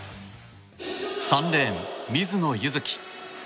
３レーン、水野柚希。